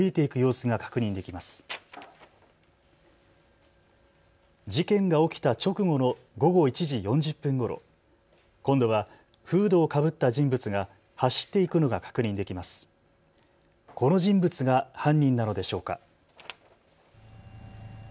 この人物が犯人なのでしょうか。